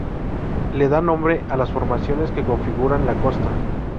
Le da nombre a las formaciones que configuran la costa.